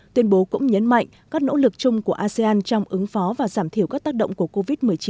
tuyên bố cũng nhấn mạnh các nỗ lực chung của asean trong ứng phó và giảm thiểu các tác động của covid một mươi chín